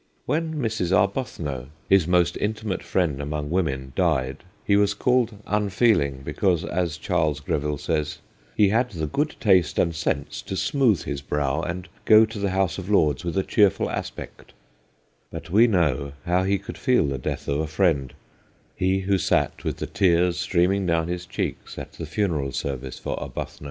When Mrs. Arbuthnot, his most intimate friend among women, died, he was called unfeeling because, as Charles Greville says, ' he had the good taste and sense to smooth his brow and go to the House of Lords with a cheerful aspect/ But we know how he could feel the death of a friend : he who sat with the tears streaming down his cheeks at the funeral service for Arbuthnot.